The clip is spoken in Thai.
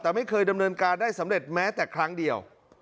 แต่ไม่เคยดำเนินการได้สำเร็จแม้แต่ครั้งเดียว